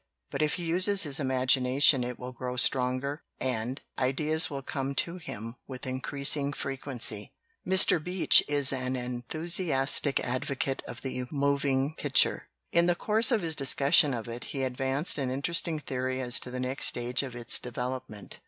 But if he uses his imagination it will grow stronger and ideas will come to him with increasing frequency." Mr. Beach is an enthusiastic advocate of the moving picture. In the course of his discussion of it he advanced an interesting theory as to the next stage of its development.